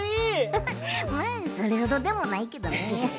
フフッそれほどでもないけどね。